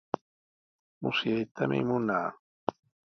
Musyaytami munaa.